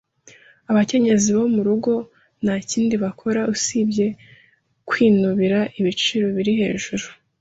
Abakenyezi bo murugo ntakindi bakora usibye kwinubira ibiciro biri hejuru.